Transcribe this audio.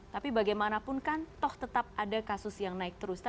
tapi bagaimanapun kan toh tetap ada kasus yang naik terus